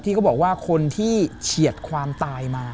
เขาบอกว่าคนที่เฉียดความตายมา